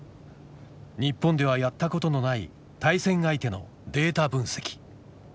日本ではやったことのない対戦相手のデータ分析。